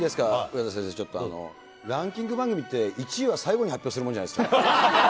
上田先生、ちょっと、ランキング番組って、１位は最後に発表するもんじゃないですか。